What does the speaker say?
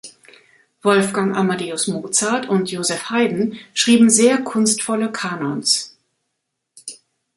Wolfgang Amadeus Mozart und Joseph Haydn schrieben sehr kunstvolle Kanons.